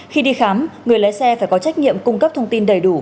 khi đi khám người lái xe phải có trách nhiệm cung cấp thông tin đầy đủ